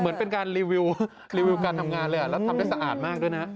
เหมือนเป็นการรีวิวรีวิวการทำงานเลยแล้วทำได้สะอาดมากด้วยนะ